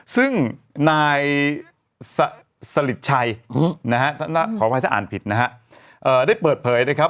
ซึ่งนายสลิดชัยนะฮะขออภัยถ้าอ่านผิดนะฮะได้เปิดเผยนะครับ